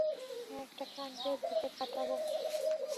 হ্যাঁ, একটা ক্রান্তীয় দ্বীপে কাটাবো।